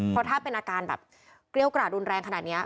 เพราะถ้าเป็นอาการแบบเกรี้ยวกราดรุนแรงขนาดนี้